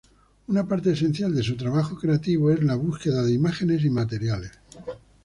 Una parte esencial de su trabajo creativo es la búsqueda de imágenes y materiales.